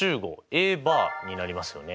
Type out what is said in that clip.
Ａバーになりますよね。